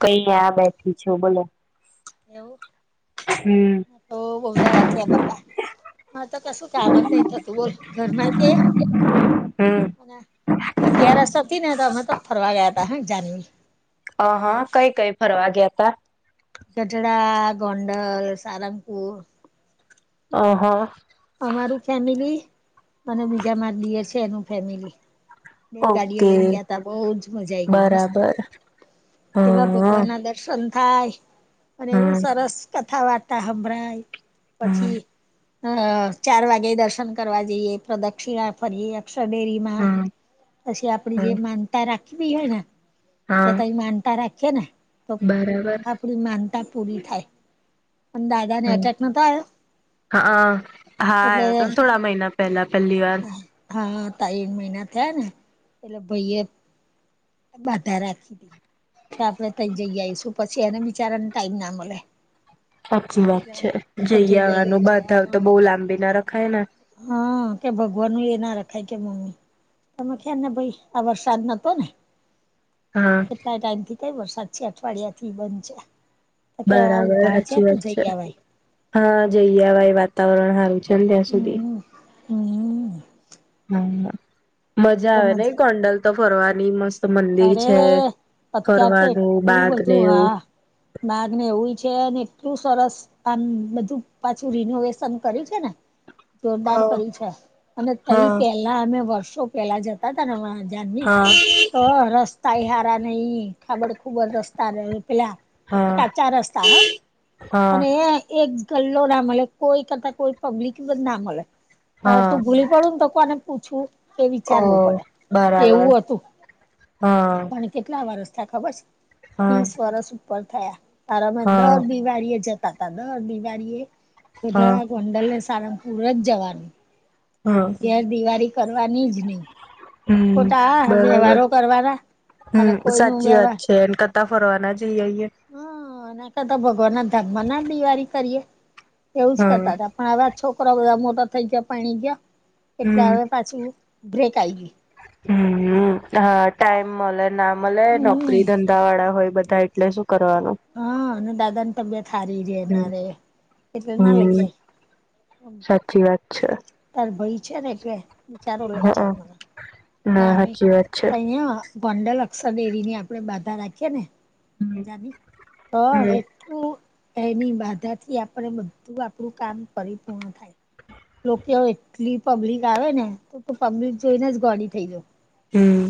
કઈ આ બેઠી છું બોલો એવું હમ તો [unintelligible] બાપા હ તો કશું કામ જ નહી થતું બોલ ઘરમાં તે અગિયારસ હ તી ને તો અમે ફરવા ગયા હતા હ જાનવી હ હા કઈ કઈ ફરવા ગયા ત કટડા ગોંડલ સારંગપુર ઓ હો અમારું ફેમિલી અને બીજા મા દિયર છે એનું ફેમિલી બે ગાડીયો ઓકે લઈને ગયા તા બહુ જ મજા આઈ ગઈ મસ્ત બરાબર હ એવા ભગવાન હમ ના દર દર્શન થાય અને એવું હમ સરસ કથા વાર્તા હંભળાય હમ પછી અ ચાર વાગે દર્શન કરવા જઈએ પ્રદક્ષિણા ફરી અક્ષર ડેરી હા પછી આપડી જે હમ માનતા રાખવી હોય ને હા એ માનતા રાખી છરાખીયે ને તો બરાબર આપડી માનતા પૂરી થાય અન દાદા ને હમ એટેક નો તો આયો હા હા આવ્યો હતો ને થોડા મહિના પહેલા પહેલી વાર હા ત્રણ મહિના થયા ને એટલે ભાઈ એ બાધા રાખી દી કે આપડે તઈ જઈ આવીઈશું પછી એને બિચારાને ટાઈમ ના મળે સાચી વાત એટલે છે કે જઈ આવીએ આવાનું છે બધા તો બઉુ લાંબી ના રખાય ને હા કે ભગવાન ન એ ના રખાય કે મમ્મી તમે ખ્યા ને ભાઈ આ વરસાદ નતો ને હા કેટલા ટાઈમ થી કઈ વરસાદ છે અઠવાડિયા થી બન છેં તો કે આવું બરાબર ઉઘાર છે સાચી તો વાત જઈ આવ્યાએ ભાઈ હા જઈવા એ વાતાવરણ હારું છે ને ત્યાં સુધી હમ્મ હા મજા આવે ને ગોન્ડલ તો ફરવાની મસ્ત મંદિર અરે છે અત્યાર ફરવાનું બાગને એવું માગ ને એવું છે એટલું સરસ આમ બધું પાછું રિનોવેશન કર્યું છે ને જોરદાર હા કર્યું છે અને ત હા પેલા અમે વર્ષો પેલા જતા તને જાની હા અ રસ્તા હારા નહી ખાબડ ખુબર રસ્તા ર પેલા હા સા ચા રસ્તા હા હા અને એ એક ગલ્લો ના મળે કોઈ કરતા કોઈ પબ્લિક બ ના મળે હ હા તું ભૂલી કરું તો કો અ અને પૂછું એ વિચારવું ઓ પડે બરાબર એવું હતું હા પણ કેટલા વરસ થયા ખબર છે હા ત્રીસ વરસ ઉપર થયા તાર અમે દર હા બિમારી જતા ત દર દિવાળી હા એધણા ગોંડલને સારંગપુર જ જવાનું હા અાર દિવાળી કરવાની જ નહીિ હમ ખોટા બરાબર વ્યવહારો કરવાના અને કોઈ ન વ્યવહાર સેનકતા ફરવાના જઈએઈએ હમ એ કરતા ભગવાન ના ધર્મ ના દિવાળી કરીએ એવું જ હમ કરતા હતા પણ હવે છોકરા બધા મોટા થઈ ગયા પાણી ગયા એટલે હમ હવે પાછું બ્રેક આવી ગય હમ હ ટાઈમ મળે ના મળે નોકરી હમ ધંધા વાળા હોય બધા એટલે શું કરવાનો હા અને દાદાને તબિયત હારી જે ના હમ રે એટલે ના લઇ જાય ી વાત છે તાર ભાઈ છે ને એટલે બચારો લઈ હા જાય મને અને ના આ સાચી વાત છે. અહીયા ભંડલ અક્ષર ડેરીની આપડણે બાધા રાખીએ હમ. નેજાની તો હમ એની બાધા થી આપણે બધું આપણું કામ પરિપૂર્ણ થાય લોકો એટલી પબ્લિક આવે ને તો પબ્લિક જોઈને જ ગોડી થઈ જા હમ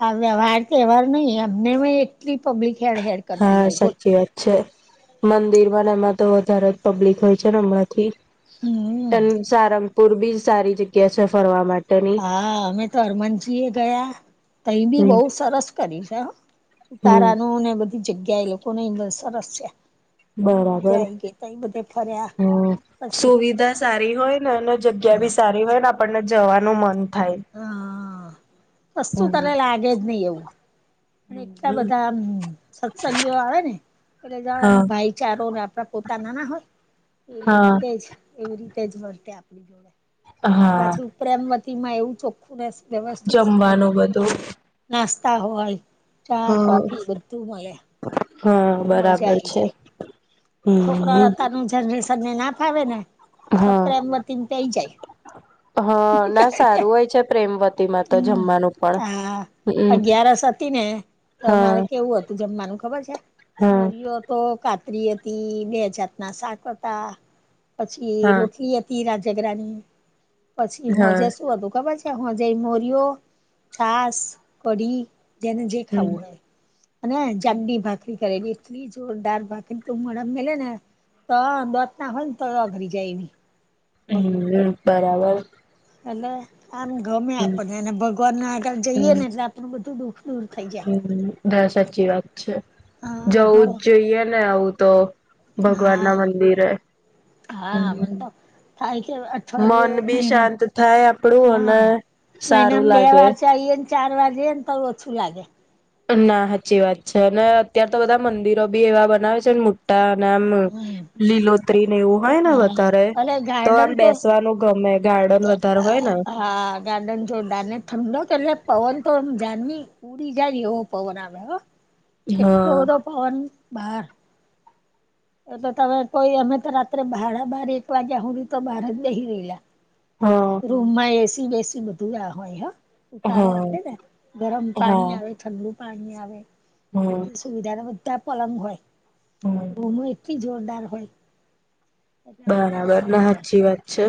હ વ્યવહાર તહેવાર નઈ એમને એટલી પબ્લિક હે હેર કરતી હા હોય બોલ સાચી વાત છે મંદિર બને મત તો વધારે પબ્લિક હોય છે ને હમણાંથી હમ અને સારંગપુર બી સારી જગ્યા ક છે ફરવા માટે હા અમે તો હરમનજી એ ગયા તહી બી બહુ હમ. સરસ કરી છે હમ ઉતારા ન ને બધી જગ્યા એ લોકોને બધ સરસ છે હ મજા આઈ ગઈ ત બ તે ફરે્યા હ સુવિધા સારી હોય ને અને જગ્યા ભી સારી હોય ને આપણને જવાનું મન થાય હા સસ્તું હમ કર લાગે જ નિ એવું અને એટલા બધા સત્સંગીઓ આવે ને એટલે જવામ હા ભાઈચારોને આપડા પોતા નાના હોય એવી હા રીતે જ એવી રીતે જ વર્તે આપણી જોડે અને હા. પાછી પ્રેમવતી માં એવું ચોખું ખોડા વ્યવસ્થિત જમવાનું મળ બધું નાસ્તા હોય ચા કોફી બધું મળે હમ્મ મજા બરાબર આઈ છે. જાય. છોકરા હમ અતાર ન જનરેશનને ના ફાવે ને તો હા. પ્રેમવતી પે જાય હા ના સારું હોય છે પ્રેમવતી માં તો હમ જમવાનું પણ હા હમ અગિયારસ હતી ને હા તમારે કેવું હતું જમવાનું ખબર છે હા મોરિયો હતો કાતરી બે જાતના શાક હતા પછી હા રોટલી તીરા ઝઘરા ની પછી હોજ હા શું હતું કબરજ હો જાય મોરીઓ છાસ કડી જેને જે હમ ખાવું હોય અને ચટણી ભાખરી કરેલી થી જોરદાર ભાખર તું મમે ઘલે ને તો દોત ના હોય ને તો અઘરી જાય એવી બ હમ્મ બરાબર એલે આમ ગમે હમ આપને અને ભગવાન ના આગળ જઈએ હમ ને એટલે આપણું બધું દુઃખ દૂર થઈ જાય હમ ના સાચી વાત છે હા જવું ઘર જ જોઈએ ને હવું તો. ભગવાન હા ના મંદિર હ હા મને તો થાય કે [unintelligible] અઠવાડિયે મહિના શાંત થાય આપડું હા અને સારું મહિનામાં બે લાગે વાર ચાલએ ચાર વાગે ને તો ઓછું લાગે ના હાચી વાત છે અને અત્યાર તો બધા મંદિરો બી એવા બનાવે છેને ડા નામ હમ લીલોત્રી ને એવું હોય ને હા વધારે અને તો ગાર્ડન આમ બેસવાનું ગમે ગાર્ડન વધારે હોય ને હા ગા્ડન જો દાનને થમડો કેલ પવન તો જની ઉડી જાય એવો પવન આવે્યો એટલો હા બધો પવન બાર એ તો તમે કોઈ અમે તો રાત્રે બાર બાર એક વાગ્યા હડી તો બહાર જ નહી રેલા હ. રૂમમાં એ સી બેસી બધું હોય હા ઉતારો હા આપે ને ગરમ પાણી હા આવે ઠંડું પાણી આવે હમ બધી સુવિધાને બધા પલંગ હોય હમ રમે કિ જોરદાર હોય એટલે આપણને બરાબર મજા ને આવે સાચી વાત છે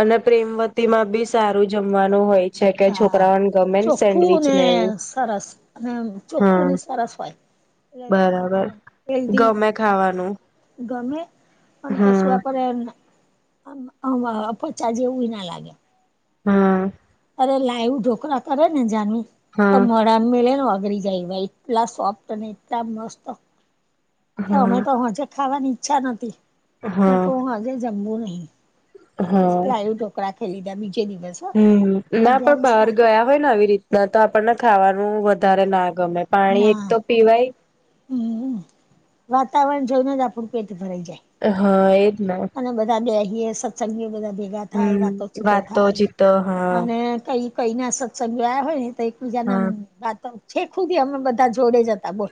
અને પ્રેમવતી માં બી સારું જમવાનું હોય છે કે હા હાં છોકરાઓને ગમે ને ચોખ્ખું સેન્ડવીચ ને એવું સરસ અને ચોખ્ખું હા ને સરસ હોય બરાબર આપને હેલ્દી ગમે ખાવાનું ગમે અને કશું હા આ કરે પચા જેવું ના લાગે હા અરે લાઈવું ઢોકળા કરે ને જાનવી તો હા મળ રામમે લ ને વાઘરી જાય ભ એટલા સોફ્ટ અને એટલા મસ્ત તો અમે હા તો હજે ખાવાની ઈચ્છા નથી ના કો હા હજે જમવું નહી બસ લયું ઢોકળા ખેલીધા બીજે દિવસ હો હમ્મ ના પણ અગિયારસ બહાર ના ગયા હોય ને આવી રીતના તો આપણને ખાવાનું વધારે ના ગમે પાણી એક ના તો પીવાય હમ્મ વાતાવરણ જવન જ આપણું પેટ ભરાઈ જાય હા એજ અને બધા બેસીએે સત્સંગી બધા ભેગા થાય હમ વાતો છૂતો વાતો થાય જીતો હા અને કઈ કઈ ના સત્સજાયા હોય ને તો એકબીજા ના હા વાતો છેખ હુંધી અમે બધા જોડે જતા બો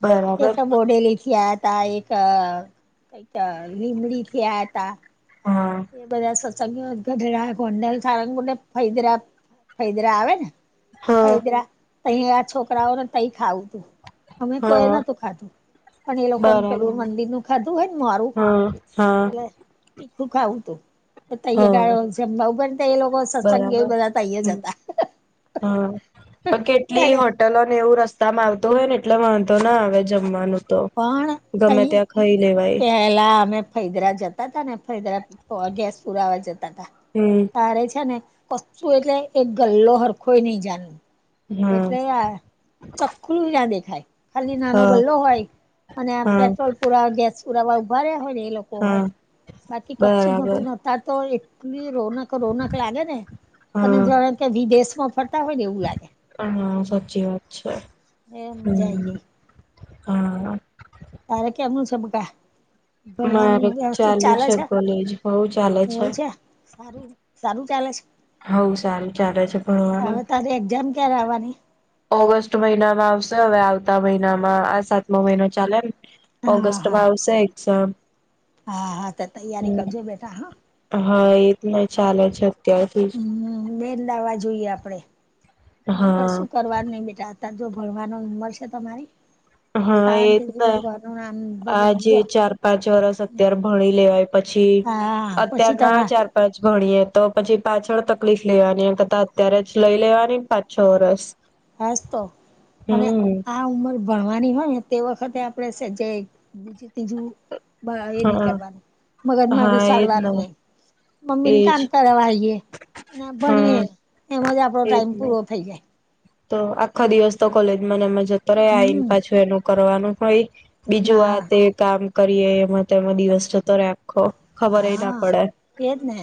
બરાબર ડેલી એક ખ્યાત તા એક કઈક લીમડી થયા હતા હ. એ બધા સત્સંગો ગઢડા ગોંડલ સારંગને ફદરા ફદરા આવે ને હા હૈદરા તહી આ છોકરાઓ ને તઈ ખાવું તું અમે કોઈ હા નતું ખાધું પણ એ લોકો બરાબર પેલું મંદિર નું ખાધું હોય ને મારું હા હા. હું ખાવું હતું તૈય હા એ લોકો સત્સંગ એ બરાબર બધા તેએજ હમ હતા હા તો કેટલી હો પટેલો ને એવું રસ્તામાં આવતું હોય ને એટલે વાંધો ના આવે જમવાનું તો પણ ગમે તઈ ત્યાં ખાઈ લેવાય પેલા અમે ફૈદરા જતા હતાા ને ફૈદરા ગેસ પુરાવા જતા તા હમ છે ને કું એટલે એક ગલ્લો હરખોય નહી જાણવ હા એટલે ચકલું જ્યાં દેખાય ખાલી નાનો હા ગલ્લો હોય અને હા પેટ્રોલ પુરાવા ગેસ પુરાવા ઉભા રહ્યા હોય ને એ લોકો હોય હા બાકી ક્છું બરાબર નતું ત તો એક રોનક રોનક લાગે ને તને જો હા વિદેશ માં ફરતા હોય ને એવું લાગે હા સાચી વાત છે એ મજઈ હમ ગઈ હા તારે કેમનું ચમકા મારે ભણવાનું વ્યવસ્થિત ચાલુ ચાલે છે કોલેજ બઉ ચાલે તો એવું છે સારું સારું ચાલે છે હવ સારું ચાલે છે ભણવાનું હવે તારી એક્જામ કેવાની ઓગસ્ટ મહિનામાં આવશે હવે આવતા મહિનામાં આ સાતમો મહિનો ચાલેમ હા ઓગસ્ટ હા મા આવસે એક્ઝામ હા હા તો તૈયારી હમ કરજો બેઠા હા હા એ ન ચાલે છેત્યાસ હમ બેન લાવા જોઈએ આપડે બીજું કશું હા કરવા નહીિ બેટા અત જો ભણવાનો નંબર છે તમારી તો હા એ જ શાંતિથી ભગવાન નું નામ ભગ આજે જો ચાર પાંચ વરષ હમ અત્યારે ભણી લેવાય પછી હા પછી અત્યારના તમા ચાર પાંચ ભણીએ તો પછી પાછળ તકલીફ લેવાનીમ કતાા અત્યારે જ લઈ લેવાનીને પાંચ છ વરષ હ હસ તો અને આ ઉમર ભણવાની હોય ને તે વખતે આપણેેજ બીજ તીજું એ નઈ હા કરવાનું મગજ હા મામાંગુ એજ ને સાડવાનું હોય મમ્મી ને એજ કામ કરવા આવીએ અને હા ભણીએે એમજ આપડો એજ ટાઈમ ને પૂરો થઈ જાય તો આખો દિવસ તો કોલેજ ને મ જતો રહે આ આવીને હમ પાછું એનું કરવાનું હોય બીજું હા વા તે કામ કરીએ એમાંમાં દિવસ જતો રા હા એજ ને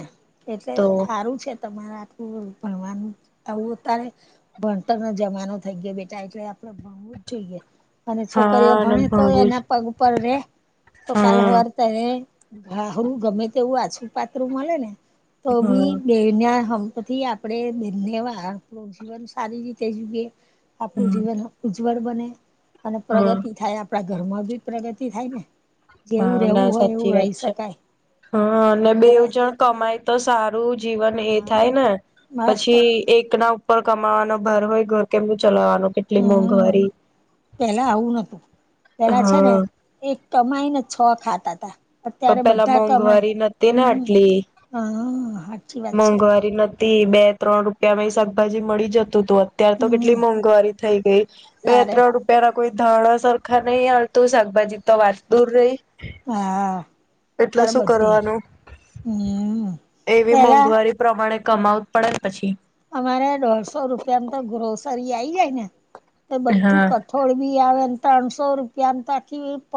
એટલે તો સારું છે તમારા ભગવાન આવ તારે ભણતર ન જમાનો થઈ ગયો બેટા એટલે આપડે ભણવું જ જોઈએ અને છોકરીઓ હા અને ભણે તો ભણવું જ એના પગ પર રે તો કાાલ હા વારતા રે ઘા ખરું ગમે તે એવું આછું પાત્ર મળે ને તો બી હા બે ના હમપથી આપે આપણે બનેવા આપણું જીવન સારી રીતે જોઈએ આપણું હા જીવન ઉજ્જવળ બને અને હા પ્રગતિ થાય આપડા ઘરમાં બી પ્રગતિ થાય ને જેવું હા ના રહેવું હોય સાચી એવું વાત રહી છે. શકાય હા અને એટલે બેવજણ કમાય તો સારું મારું જીવન એ હા થાય ને બસ તો પછી એક ના ઉપ કમાવાનો ભર હોય ઘર કેમું ચલાવાનું હમ પેલા આવું નતું પેલા છે ને હા એક કમાઈ ને છ ખાતા હતાા તો પેલા મોંઘવારી નથીતી ને આટલી હા સાચી વાત છે મોંઘવારી નથી થી બે ત્રણ રૂપિયામાં શાકભાજી મળી જતું હતું અત્યારે તો કેટલી હમ મોંઘવારી થઈ ગઈ ગ તારે ત્રણ રૂપ પેલા કોઈ ધાણા સરખા નહી આડતું શાકભાજી તો વાત દૂર રહી હા એટલે અત્યારે શું બધે કરવાનું? હમ એવી પેલા મોંઘવારી પ્રમાણે કમાવત પડે પછી અમારે દોઢસો રૂપિયામાં તો ગ્રોસરી આઈ જાય ને તો હા બધું થોડી બી આવે ને ત્રણસો રૂપિયાને તકીી પ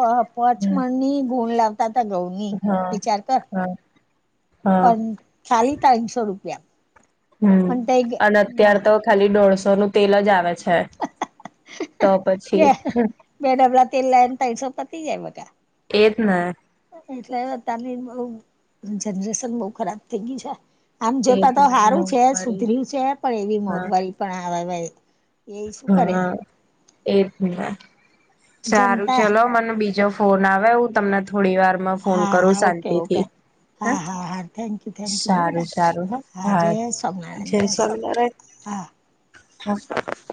હમ. પચમણની ગુણ લાગ તતા ગૌ હા હા હા પન સાલી તાનસો રૂપિયા હમ પણ તઈ અને અત્યાર તો ખાલી દોઢસોનું તેલ જ આવે છે તો પછી બે હહ બે ડબલા તેલ લાય ને તનસો પતી જાય બકા એજ ને એટલે અતારની બહુ જનરેશન બહુ ખરાબ થઈ ગી છે. આમ એજ જોતા તો ને હારું છે મોંઘવારી સુધર્યું છે પણ એવી મોંઘવારી પણ આવે વે. હહ એજ ને સારું જનતા ચલો મને બીજો ફોન આવે હું તમને થોડી વાર માં ફોન હા કરું હા ઓકે ઓકે શાંતિથી. હે હા હા હા થેન્ક યુ થેન્ક યુ હો સારું બેટા સારું હહ હા જય સોમનારાયણ જય સોમ સ્વામિનારાયણ. હા હહ